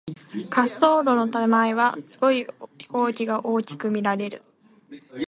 滑走路の手前は、すごい飛行機が大きく見られる。